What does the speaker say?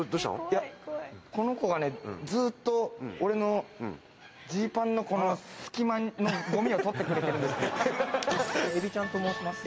いやこの子がねずっと俺のジーパンのこの隙間のゴミを取ってくれてるんですけどえびちゃんと申します